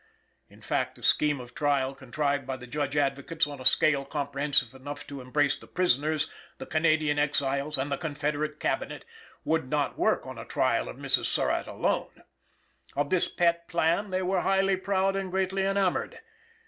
In fact, the scheme of trial contrived by the Judge Advocates on a scale comprehensive enough to embrace the prisoners, the Canadian exiles and the Confederate Cabinet, would not work on a trial of Mrs. Surratt alone. Of this pet plan they were highly proud and greatly enamoured.